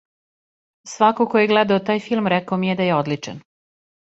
Свако ко је гледао тај филм рекао ми је да је одличан.